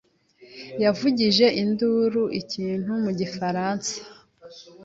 yavugije induru ikintu mu gifaransa.